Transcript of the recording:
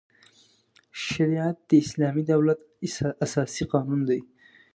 شریعت د اسلامي دولت اساسي قانون دی.